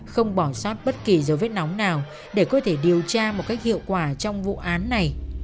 không bỏ sót bất kỳ dấu vết nóng nào để có thể điều tra một cách hiệu quả trong vụ án này